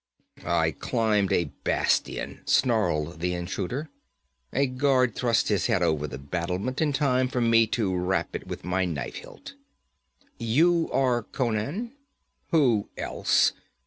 'I climbed a bastion,' snarled the intruder. 'A guard thrust his head over the battlement in time for me to rap it with my knife hilt.' 'You are Conan?' 'Who else?